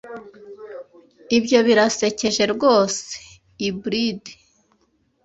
Ibyo birasekeje rwose. (Hybrid)